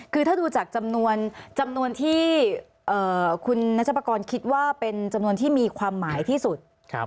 คือถ้าดูจากจำนวนที่คุณนัชปกรณ์คิดว่าเป็นจำนวนที่มีความหมายที่สุด